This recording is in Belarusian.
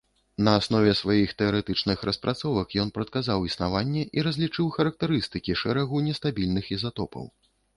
На аснове сваіх тэарэтычных распрацовак ён прадказаў існаванне і разлічыў характарыстыкі шэрагу нестабільных ізатопаў.